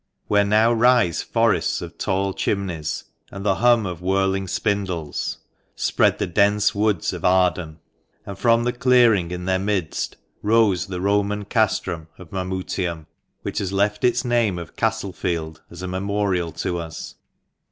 Where now rise forests of tall chimneys, and the hum of whirling spindles, spread the dense woods of Arden ; and from the clearing in their midst rose the Roman castrum of Mamutium,* which has left its name of Castle Field as a memorial to us.